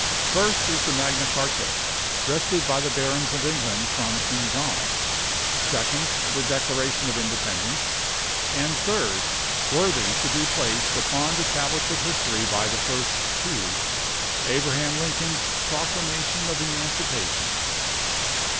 First is the Magna Carta, wrested by the barons of England from King John; second, the Declaration of Independence; and third, worthy to be placed upon the tablets of history by the first two, Abraham Lincoln's Proclamation of Emancipation."